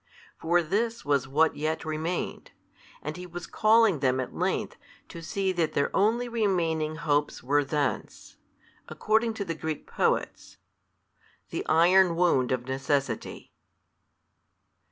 For this was what yet remained, and He was calling them at length to see that their only remaining hopes were thence, according to the Greek poets, the iron wound of necessity.